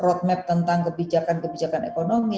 roadmap tentang kebijakan kebijakan ekonomi